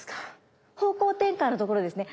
方向転換のところですね